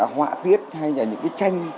họa tiết hay là những cái tranh